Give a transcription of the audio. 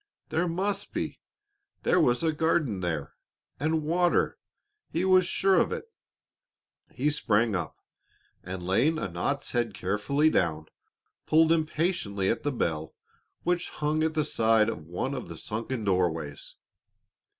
There must be there was a garden there, and water, he was sure of it. He sprang up, and laying Anat's head carefully down, pulled impatiently at the bell which hung at the side of one of the sunken doorways.